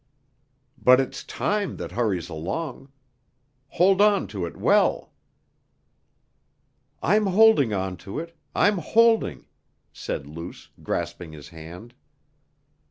"But it's time that hurries along. Hold on to it well." "I'm holding onto it; I'm holding," said Luce, grasping his hand.